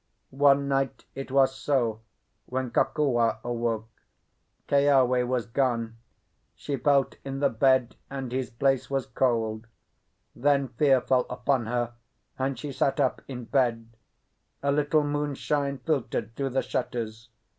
One night it was so when Kokua awoke. Keawe was gone. She felt in the bed and his place was cold. Then fear fell upon her, and she sat up in bed. A little moonshine filtered through the shutters.